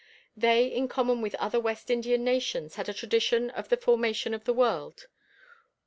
They in common with other West Indian nations had a tradition of the formation of the world.